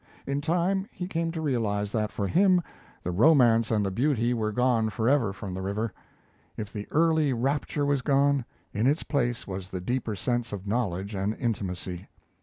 In time, he came to realize that, for him, the romance and the beauty were gone forever from the river. If the early rapture was gone, in its place was the deeper sense of knowledge and intimacy.